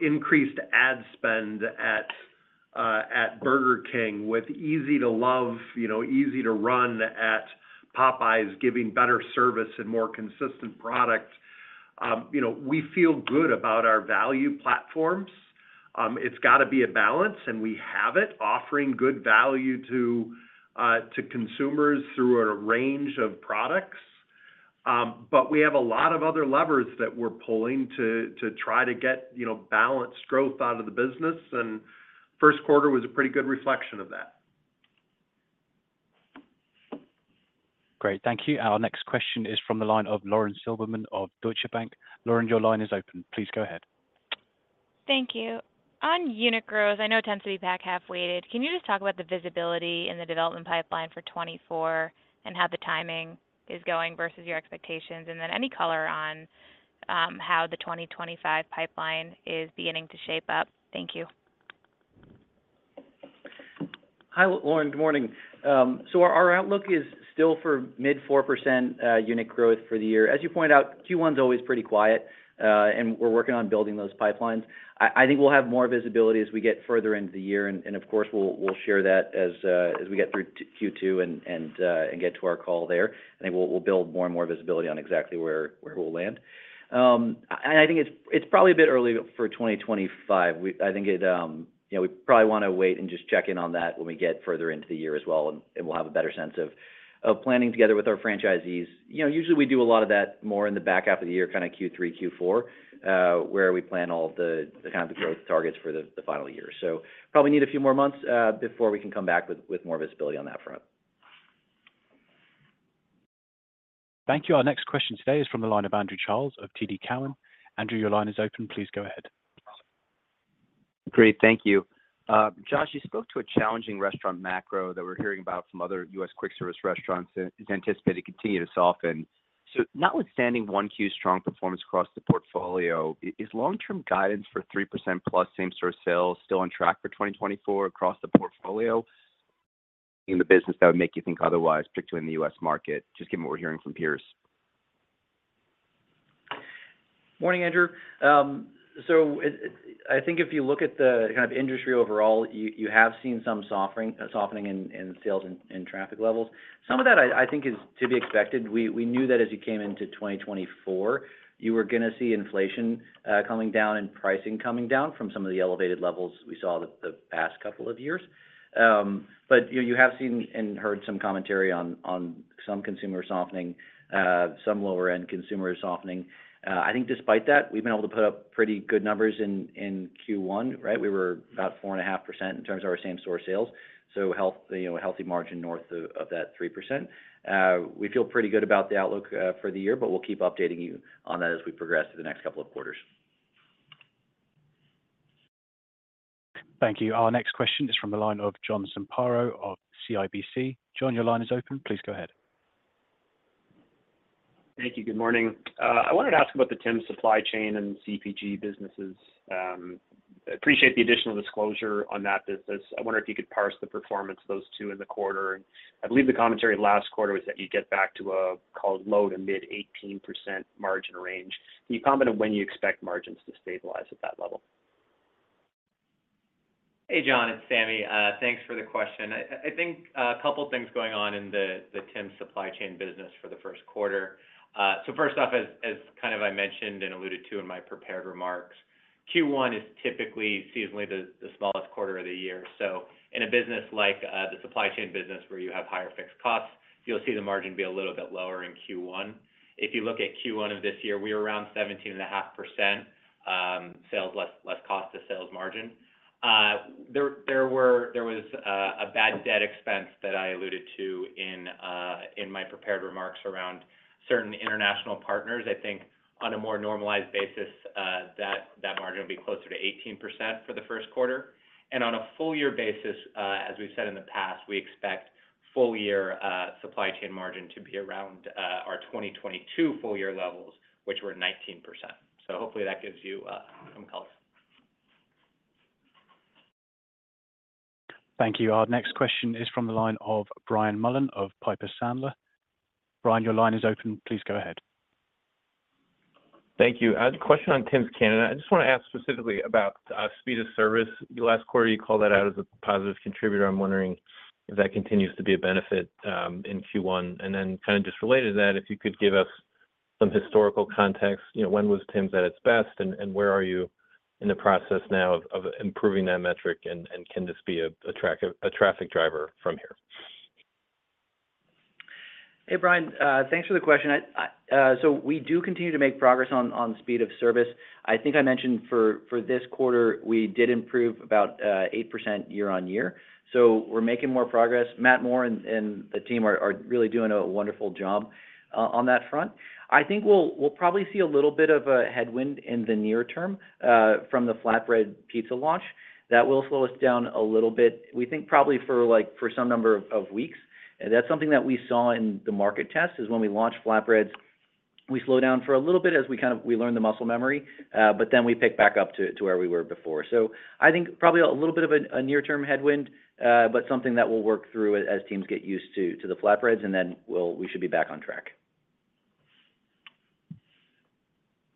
increased ad spend at Burger King, with Easy to Love, you know, Easy to Run at Popeyes, giving better service and more consistent product, we feel good about our value platforms. It's gotta be a balance, and we have it, offering good value to consumers through a range of products. But we have a lot of other levers that we're pulling to try to get, you know, balanced growth out of the business, and first quarter was a pretty good reflection of that. Great, thank you. Our next question is from the line of Lauren Silberman of Deutsche Bank. Lauren, your line is open. Please go ahead. Thank you. On unit growth, I know it tends to be back half-weighted. Can you just talk about the visibility in the development pipeline for 2024, and how the timing is going versus your expectations? And then any color on how the 2025 pipeline is beginning to shape up. Thank you. Hi, Lauren. Good morning. So our outlook is still for mid-4% unit growth for the year. As you point out, Q1 is always pretty quiet, and we're working on building those pipelines. I think we'll have more visibility as we get further into the year, and of course, we'll share that as we get through to Q2 and get to our call there. I think we'll build more and more visibility on exactly where we'll land. And I think it's probably a bit early for 2025. I think it, you know, we probably wanna wait and just check in on that when we get further into the year as well, and we'll have a better sense of planning together with our franchisees. You know, usually we do a lot of that more in the back half of the year, kinda Q3, Q4, where we plan all the kind of growth targets for the final year. So probably need a few more months before we can come back with more visibility on that front. Thank you. Our next question today is from the line of Andrew Charles of TD Cowen. Andrew, your line is open. Please go ahead. Great, thank you. Josh, you spoke to a challenging restaurant macro that we're hearing about from other U.S. quick service restaurants, and is anticipated to continue to soften. So notwithstanding 1Q strong performance across the portfolio, is long-term guidance for 3%+ same store sales still on track for 2024 across the portfolio? In the business, that would make you think otherwise, particularly in the U.S. market, just given what we're hearing from peers. Morning, Andrew. So, I think if you look at the kind of industry overall, you have seen some softening in sales and traffic levels. Some of that, I think, is to be expected. We knew that as you came into 2024, you were gonna see inflation coming down and pricing coming down from some of the elevated levels we saw the past couple of years. But, you have seen and heard some commentary on some consumer softening, some lower-end consumer softening. I think despite that, we've been able to put up pretty good numbers in Q1, right? We were about 4.5% in terms of our same store sales, so you know, a healthy margin north of that 3%. We feel pretty good about the outlook for the year, but we'll keep updating you on that as we progress through the next couple of quarters. Thank you. Our next question is from the line of John Zamparo of CIBC. John, your line is open. Please go ahead. Thank you. Good morning. I wanted to ask about the Tims supply chain and CPG businesses. Appreciate the additional disclosure on that business. I wonder if you could parse the performance of those two in the quarter? I believe the commentary last quarter was that you get back to a called low-to-mid 18% margin range. Can you comment on when you expect margins to stabilize at that level? Hey, John, it's Sami. Thanks for the question. I think a couple of things going on in the Tims supply chain business for the first quarter. So first off, as kind of I mentioned and alluded to in my prepared remarks, Q1 is typically seasonally the smallest quarter of the year. So in a business like the supply chain business, where you have higher fixed costs, you'll see the margin be a little bit lower in Q1. If you look at Q1 of this year, we were around 17.5%, sales less cost of sales margin. There was a bad debt expense that I alluded to in my prepared remarks around certain international partners. I think on a more normalized basis, that margin will be closer to 18% for the first quarter. On a full year basis, as we've said in the past, we expect full year supply chain margin to be around our 2022 full year levels, which were 19%. Hopefully that gives you some color. Thank you. Our next question is from the line of Brian Mullan of Piper Sandler. Brian, your line is open. Please go ahead. Thank you. Question on Tims Canada. I just want to ask specifically about speed of service. Last quarter, you called that out as a positive contributor. I'm wondering if that continues to be a benefit in Q1. And then kind of just related to that, if you could give us some historical context, you know, when was Tims at its best, and where are you in the process now of improving that metric and can this be a traffic driver from here? Hey, Brian, thanks for the question. So we do continue to make progress on speed of service. I think I mentioned for this quarter, we did improve about 8% year-on-year. So we're making more progress. Matt Moore and the team are really doing a wonderful job on that front. I think we'll probably see a little bit of a headwind in the near term from the Flatbread Pizza launch. That will slow us down a little bit. We think probably for, like, some number of weeks. And that's something that we saw in the market test, is when we launched flatbreads, we slow down for a little bit as we kind of learn the muscle memory, but then we pick back up to where we were before. So I think probably a little bit of a near-term headwind, but something that we'll work through as teams get used to the flatbreads, and then we should be back on track.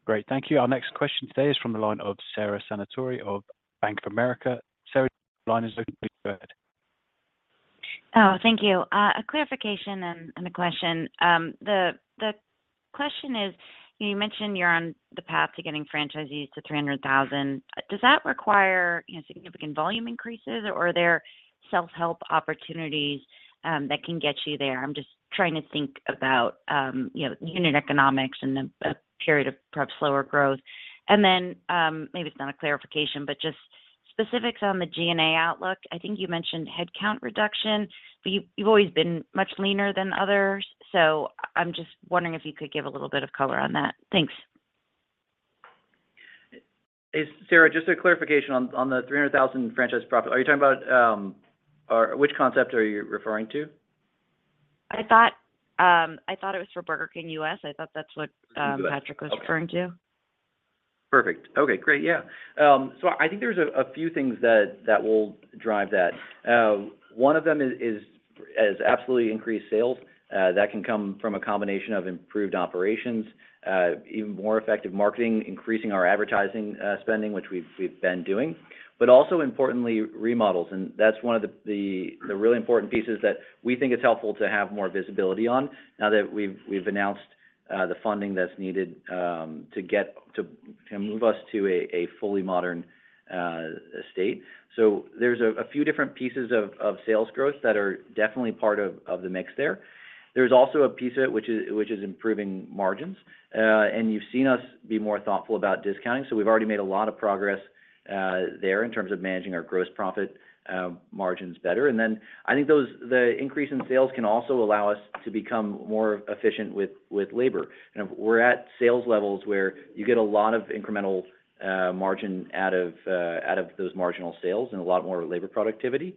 Great, thank you. Our next question today is from the line of Sara Senatore of Bank of America. Sara, line is open. Go ahead. Oh, thank you. A clarification and a question. The question is, you mentioned you're on the path to getting franchisees to 300,000. Does that require, you know, significant volume increases, or are there self-help opportunities that can get you there? I'm just trying to think about, you know, unit economics and the period of perhaps slower growth. And then, maybe it's not a clarification, but just specifics on the G&A outlook. I think you mentioned headcount reduction, but you've always been much leaner than others, so I'm just wondering if you could give a little bit of color on that. Thanks. Sara, just a clarification on the $300,000 franchise profit. Are you talking about, or which concept are you referring to? I thought, I thought it was for Burger King U.S. I thought that's what- U.S.... Patrick was referring to. Perfect. Okay, great. Yeah. So I think there's a few things that will drive that. One of them is absolutely increased sales. That can come from a combination of improved operations, even more effective marketing, increasing our advertising spending, which we've been doing, but also importantly, remodels. And that's one of the really important pieces that we think it's helpful to have more visibility on now that we've announced the funding that's needed to get to move us to a fully modern state. So there's a few different pieces of sales growth that are definitely part of the mix there. There's also a piece of it which is improving margins, and you've seen us be more thoughtful about discounting, so we've already made a lot of progress there in terms of managing our gross profit margins better. And then I think those the increase in sales can also allow us to become more efficient with labor. And we're at sales levels where you get a lot of incremental margin out of those marginal sales and a lot more labor productivity.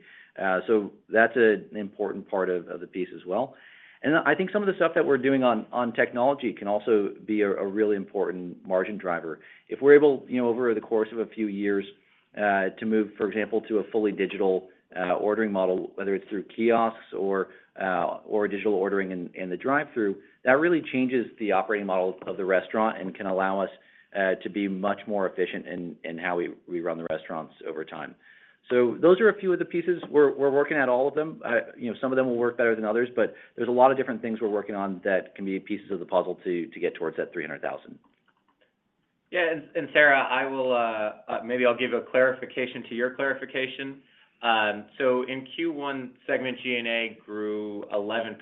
So that's an important part of the piece as well. And I think some of the stuff that we're doing on technology can also be a really important margin driver. If we're able, you know, over the course of a few years, to move, for example, to a fully digital, ordering model, whether it's through kiosks or, or digital ordering in, in the drive-thru, that really changes the operating model of the restaurant and can allow us, to be much more efficient in, in how we, we run the restaurants over time. So those are a few of the pieces. We're, working at all of them. You know, some of them will work better than others, but there's a lot of different things we're working on that can be pieces of the puzzle to, to get towards that 300,000. Yeah, and Sara, I will maybe I'll give a clarification to your clarification. So in Q1, segment G&A grew 11%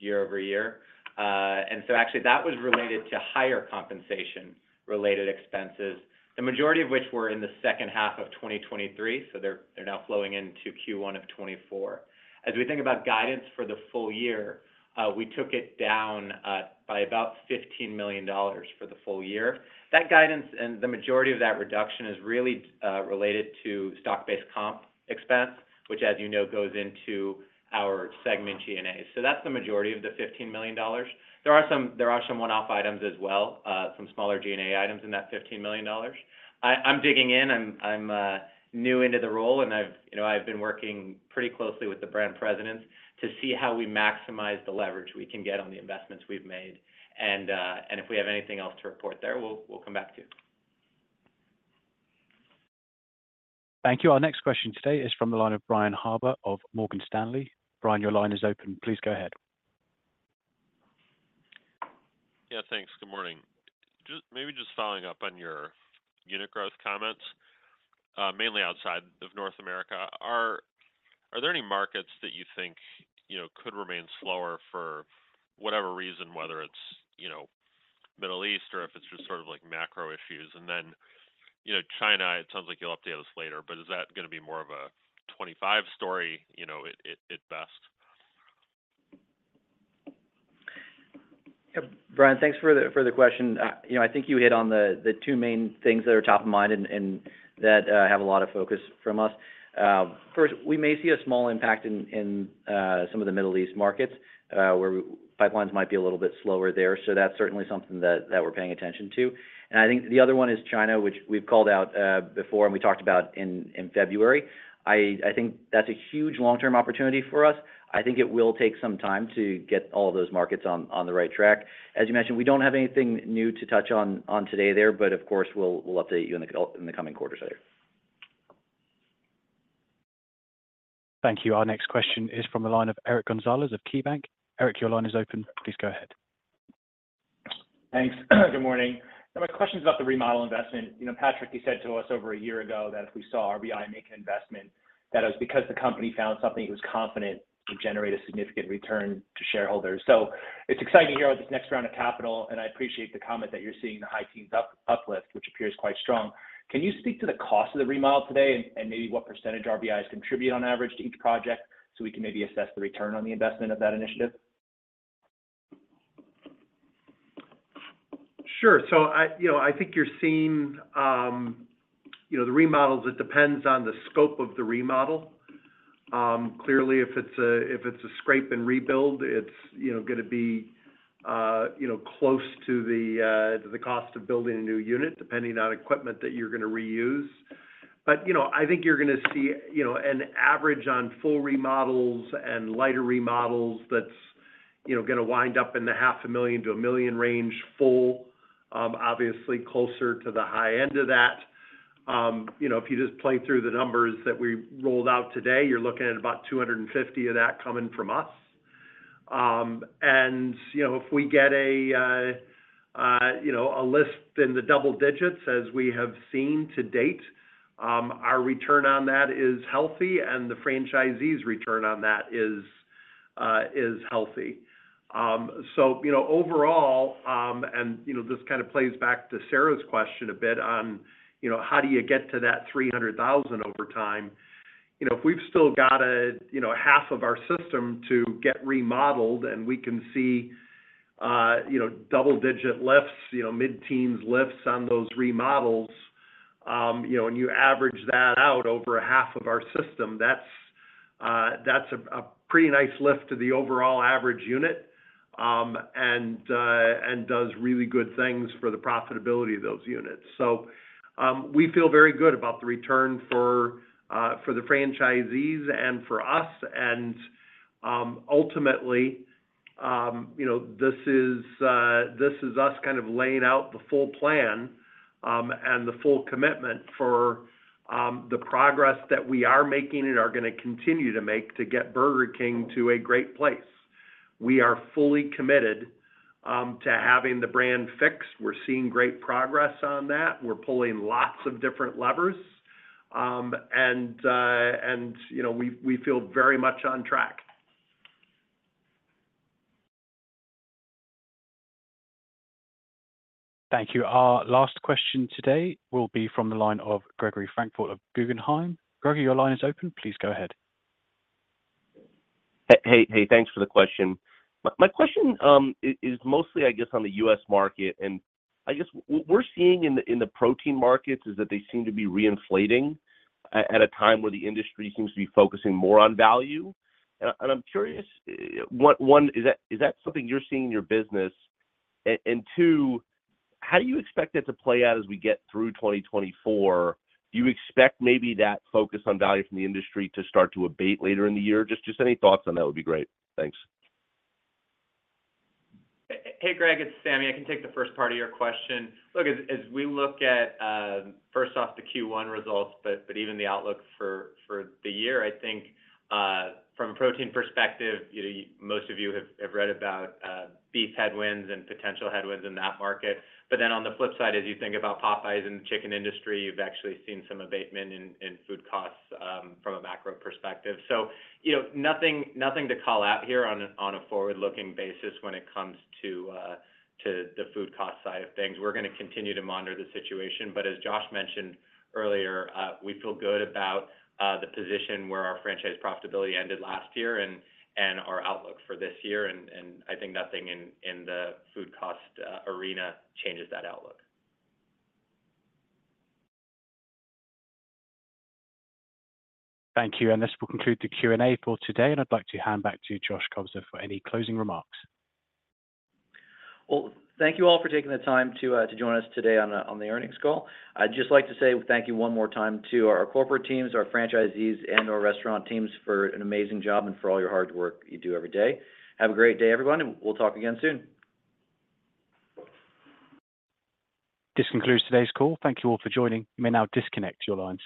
year-over-year. And so actually, that was related to higher compensation-related expenses, the majority of which were in the second half of 2023, so they're now flowing into Q1 of 2024. As we think about guidance for the full year, we took it down by about $15 million for the full year. That guidance, and the majority of that reduction is really related to stock-based comp expense, which, as you know, goes into our segment G&A. So that's the majority of the $15 million. There are some one-off items as well, some smaller G&A items in that $15 million. I'm digging in. I'm new into the role, and, you know, I've been working pretty closely with the brand presidents to see how we maximize the leverage we can get on the investments we've made. And if we have anything else to report there, we'll come back to you. Thank you. Our next question today is from the line of Brian Harbour of Morgan Stanley. Brian, your line is open. Please go ahead. Yeah, thanks. Good morning. Just maybe just following up on your unit growth comments, mainly outside of North America, are there any markets that you think, you know, could remain slower for whatever reason, whether it's, you know, Middle East or if it's just sort of like macro issues? And then, you know, China, it sounds like you'll update us later, but is that gonna be more of a '25 story, you know, at best? Yep. Brian, thanks for the question. You know, I think you hit on the two main things that are top of mind and that have a lot of focus from us. First, we may see a small impact in some of the Middle East markets, where pipelines might be a little bit slower there. So that's certainly something that we're paying attention to. And I think the other one is China, which we've called out before, and we talked about in February. I think that's a huge long-term opportunity for us. I think it will take some time to get all those markets on the right track. As you mentioned, we don't have anything new to touch on today there, but of course, we'll update you in the coming quarters later. Thank you. Our next question is from the line of Eric Gonzalez of KeyBanc. Eric, your line is open. Please go ahead. Thanks. Good morning. My question is about the remodel investment. You know, Patrick, you said to us over a year ago that if we saw RBI make an investment, that it was because the company found something it was confident would generate a significant return to shareholders. So it's exciting to hear about this next round of capital, and I appreciate the comment that you're seeing the high teens uplift, which appears quite strong. Can you speak to the cost of the remodel today and maybe what percentage RBI contributes on average to each project, so we can maybe assess the return on the investment of that initiative? Sure. So, you know, I think you're seeing, you know, the remodels, it depends on the scope of the remodel. Clearly, if it's a scrape and rebuild, it's, you know, gonna be, you know, close to the cost of building a new unit, depending on equipment that you're gonna reuse. But, you know, I think you're gonna see, you know, an average on full remodels and lighter remodels that's, you know, gonna wind up in the $500,000-$1 million range, full, obviously closer to the high end of that. You know, if you just play through the numbers that we rolled out today, you're looking at about $250,000 of that coming from us. You know, if we get a list in the double digits, as we have seen to date, our return on that is healthy, and the franchisee's return on that is healthy. So, you know, overall, this kind of plays back to Sara's question a bit on, you know, how do you get to that 300,000 over time? You know, if we've still got, you know, half of our system to get remodeled and we can see, you know, double-digit lifts, you know, mid-teens lifts on those remodels, you know, when you average that out over a half of our system, that's a pretty nice lift to the overall average unit, and does really good things for the profitability of those units. So, we feel very good about the return for the franchisees and for us. Ultimately, you know, this is us kind of laying out the full plan and the full commitment for the progress that we are making and are gonna continue to make to get Burger King to a great place. We are fully committed to having the brand fixed. We're seeing great progress on that. We're pulling lots of different levers, and you know, we feel very much on track. Thank you. Our last question today will be from the line of Gregory Francfort of Guggenheim. Gregory, your line is open. Please go ahead. Hey, hey, thanks for the question. My question is mostly, I guess, on the U.S. market, and I guess we're seeing in the protein markets is that they seem to be reinflating at a time where the industry seems to be focusing more on value. And I'm curious, what, one, is that something you're seeing in your business? And two, how do you expect it to play out as we get through 2024? Do you expect maybe that focus on value from the industry to start to abate later in the year? Just any thoughts on that would be great. Thanks. Hey, Greg, it's Sami. I can take the first part of your question. Look, as we look at first off, the Q1 results, but even the outlook for the year, I think from a protein perspective, you know, most of you have read about beef headwinds and potential headwinds in that market. But then on the flip side, as you think about Popeyes and the chicken industry, you've actually seen some abatement in food costs from a macro perspective. So, you know, nothing to call out here on a forward-looking basis when it comes to the food cost side of things. We're gonna continue to monitor the situation, but as Josh mentioned earlier, we feel good about the position where our franchise profitability ended last year and our outlook for this year, and I think nothing in the food cost arena changes that outlook. Thank you, and this will conclude the Q&A for today, and I'd like to hand back to Josh Kobza for any closing remarks. Well, thank you all for taking the time to join us today on the earnings call. I'd just like to say thank you one more time to our corporate teams, our franchisees, and our restaurant teams for an amazing job and for all your hard work you do every day. Have a great day, everyone, and we'll talk again soon. This concludes today's call. Thank you all for joining. You may now disconnect your lines.